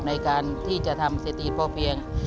ในการที่จะทำเศรษฐีพ่อเพียง